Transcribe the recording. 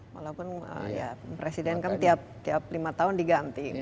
walaupun ya presiden kan tiap lima tahun diganti